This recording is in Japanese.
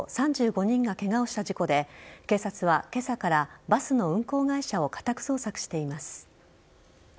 ３５人がケガをした事故で警察は今朝からバスの運行会社を家宅捜索しています。